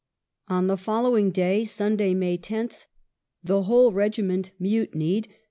On the following day, Sunday, May 10th, the whole regiment mutinied, ^ Cf.